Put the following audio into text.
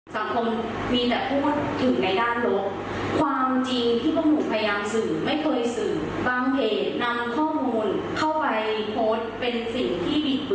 ส่วนที่เราพังหมาอยู่ในกรงฟังเราว่างได้ไหมคะ